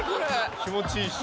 気持ちいいっしょ？